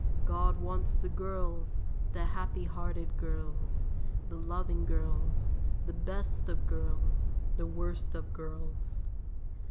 "God wants the girls, the happy hearted girls, The loving girls, the best of girls, The worst of girls.